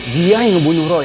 dia yang ngebunuh roy